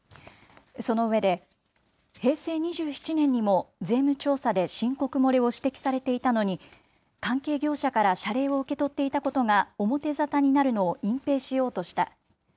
その上で、平成２７年にも税務調査で申告漏れを指摘されていたのに、関係業者から謝礼を受け取っていたことが表沙汰になるのを隠蔽しようとした。